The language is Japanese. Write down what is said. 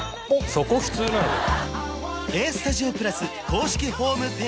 そこ普通なのかよ